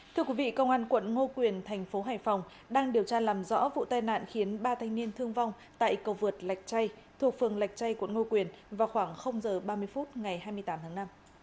thưa quý vị công an quận ngô quyền thành phố hải phòng đang điều tra làm rõ vụ tai nạn khiến ba thanh niên thương vong tại cầu vượt lạch chay thuộc phường lạch chay quận ngô quyền vào khoảng h ba mươi phút ngày hai mươi tám tháng năm